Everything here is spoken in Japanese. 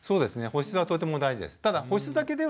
保湿はとても大事です。